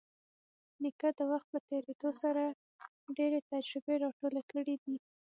نیکه د وخت په تېرېدو سره ډېرې تجربې راټولې کړي دي.